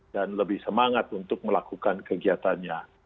dan lebih semangat untuk melakukan kegiatannya